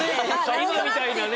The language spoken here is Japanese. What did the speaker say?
今みたいなね